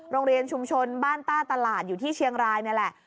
โรงเรียนชุมชนบ้านต้าตลาดอยู่ที่เชียงรายนี่แหละ